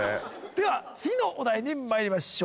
では次のお題にまいりましょう。